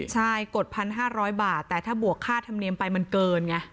ใช่กด๑๕๐๐บาทแต่ถ้าบวกค่าธรรมเนียมไปมันเกินไง